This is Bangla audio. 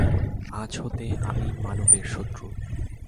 আজ হইতে আমি মানবের শত্রু।